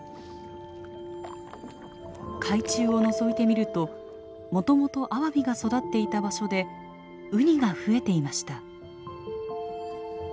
海中をのぞいてみるともともとアワビが育っていた場所でウニが増えていました。